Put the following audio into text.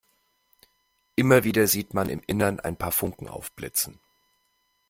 Immer wieder sieht man im Innern ein paar Funken aufblitzen.